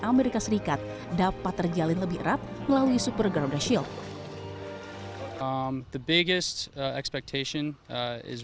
amerika serikat dapat terjalin lebih erat melalui super garuda shield the biggest expectation